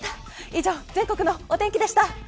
以上、全国のお天気でした。